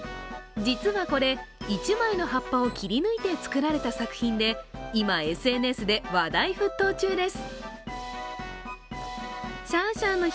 実はこれ、１枚の葉っぱを切り抜いて作られた作品で今、ＳＮＳで話題沸騰中です。